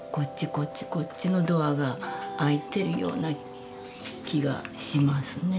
こっちこっちのドアが開いてるような気がしますね。